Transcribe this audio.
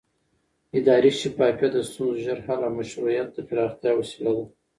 اداري شفافیت د ستونزو د ژر حل او مشروعیت د پراختیا وسیله ده